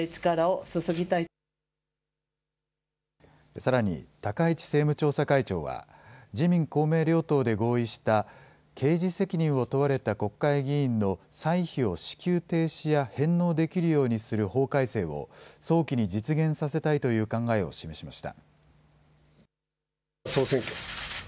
さらに、高市政務調査会長は、自民、公明両党で合意した、刑事責任を問われた国会議員の歳費を支給停止や返納できるようにする法改正を、早期に実現させたいという考えを示しました。